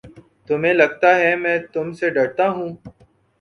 تمہیں لگتا ہے میں تم سے ڈرتا ہوں؟